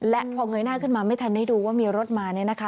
และพอเงยหน้าขึ้นมาไม่ทันได้ดูว่ามีรถมาเนี่ยนะคะ